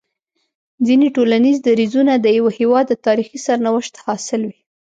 ځيني ټولنيز درځونه د يوه هيواد د تاريخي سرنوشت حاصل وي